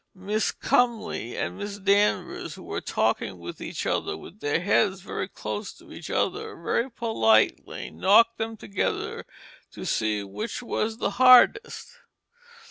Miss Comely and Miss Danvers who were talking with each other with their heads very close to each other very politely knocked them together to see which was the hardest.